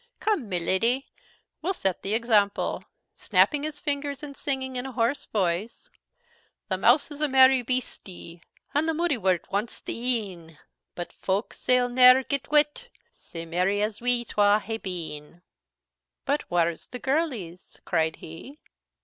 "Come, my Leddy, we'll set the example," snapping his fingers, and singing in a hoarse voice, "The mouse is a merry beastie, And the moudiwort wants the een; But folk sail ne'er get wit, Sae merry as we twa ha'e been.' "But whar's the girlies?" cried he.